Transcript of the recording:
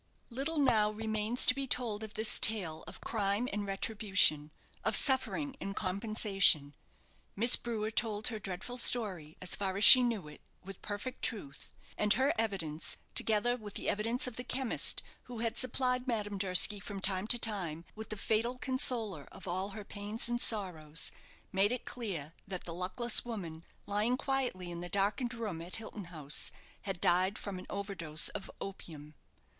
Little now remains to be told of this tale of crime and retribution, of suffering and compensation. Miss Brewer told her dreadful story, as far as she knew it, with perfect truth; and her evidence, together with the evidence of the chemist who had supplied Madame Durski from time to time with the fatal consoler of all her pains and sorrows, made it clear that the luckless woman, lying quietly in the darkened room at Hilton House, had died from an over dose of opium.